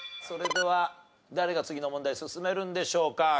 それでは誰が次の問題に進めるんでしょうか？